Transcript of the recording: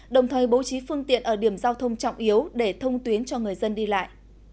đồng thời bố trí phương tiện ở điểm giao thông trọng yếu để thông tuyến cho người dân đi lại